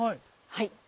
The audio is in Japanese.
はい。